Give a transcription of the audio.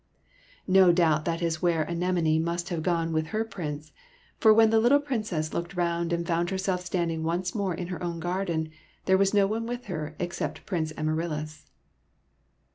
No doubt that is where Anemone must have gone with her Prince, for when the little Prin cess looked round and found herself standing once more in her own garden, there was no one with her except Prince Amaryllis.